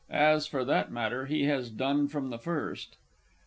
(_As, for that matter, he has done from the first.